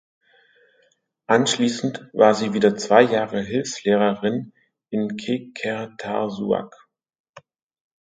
Anschließend war sie wieder zwei Jahre Hilfslehrerin in Qeqertarsuaq.